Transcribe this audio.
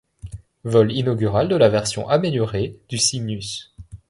Vol inaugural de la version améliorée du Cygnus.